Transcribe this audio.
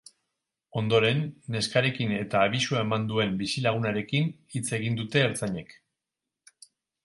Ondoren, neskarekin eta abisua eman duen bizilagunarekin hitz egin dute ertzainek.